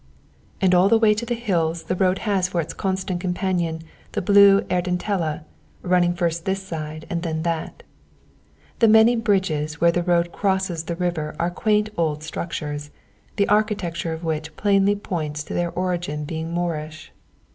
And all the way to the hills the road has for its constant companion the blue Ardentella, running first this side and then that. The many bridges where the road crosses the river are quaint old structures, the architecture of which plainly points to their origin being Moorish.